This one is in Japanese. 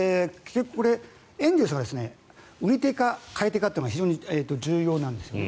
エンゼルスが売り手か買い手かというのが非常に重要なんですね。